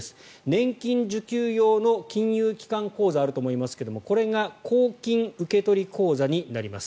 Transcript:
年金受給用の金融機関口座あると思いますがこれが公金受取口座になります。